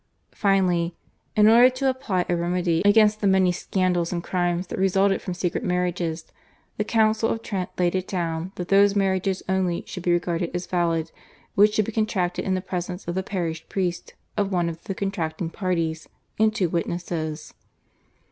Finally, in order to apply a remedy against the many scandals and crimes that resulted from secret marriages, the Council of Trent laid it down that those marriages only should be regarded as valid which should be contracted in the presence of the parish priest of one of the contracting parties and two witnesses.